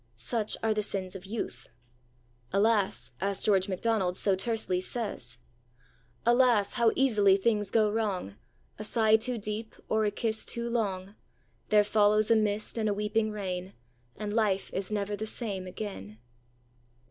Such are the sins of youth. 'Alas,' as George Macdonald so tersely says, Alas, how easily things go wrong! A sigh too deep, or a kiss too long, There follows a mist and a weeping rain. And life is never the same again.